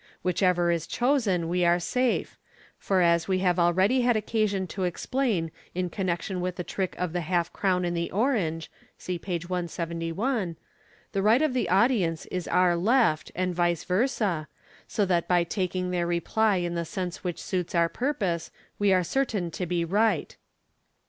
"Which ever is chosen, we are safe ; for as we have already had occasion tc explain in connection with the trick of the half crown in the orange (see page 171), the right of the audience is our left, and vice versa, so that by taking their reply in the sense which suits our purpose we are certain to be right.